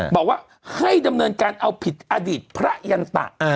บอกว่าให้ดำเนินการเอาผิดอดีตพระยันตะ